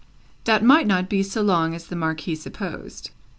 That might not be so long as the Marquis supposed.